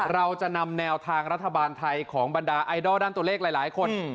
เราจะนำแนวทางรัฐบาลไทยของบรรดาไอดอลด้านตัวเลขหลายคน